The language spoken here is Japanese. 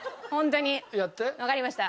わかりました。